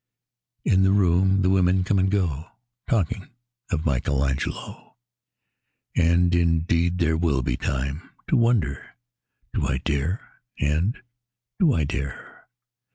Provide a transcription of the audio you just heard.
In the room the women come and go Talking of Michelangelo. And indeed there will be time To wonder, "Do I dare?" and, "Do I dare?"